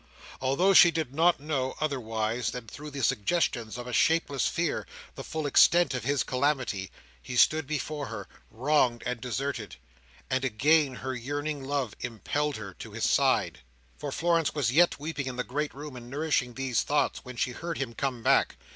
Although she did not know, otherwise than through the suggestions of a shapeless fear, the full extent of his calamity, he stood before her, wronged and deserted; and again her yearning love impelled her to his side. He was not long away; for Florence was yet weeping in the great room and nourishing these thoughts, when she heard him come back.